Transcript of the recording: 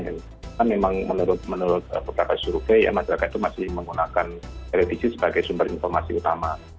karena memang menurut beberapa survei ya masyarakat itu masih menggunakan televisi sebagai sumber informasi utama